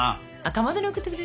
かまどに贈ってくれる？